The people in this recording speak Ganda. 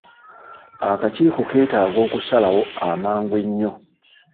Akakiiko keetaaga okusalawo amangu ennyo.